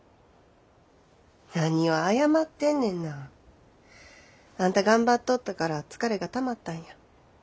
何を謝ってんねんな。あんた頑張っとったから疲れがたまったんや。